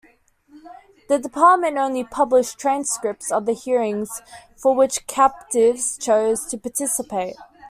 The Department only published transcripts of the hearings for which captives chose to participate.